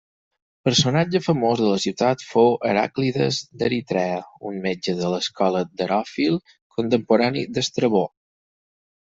Personatge famós de la ciutat fou Heràclides d'Eritrea, un metge de l'escola d'Heròfil, contemporani d'Estrabó.